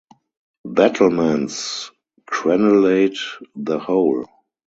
Battlements crenellate the whole.